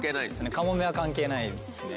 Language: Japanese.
カモメは関係ないですね。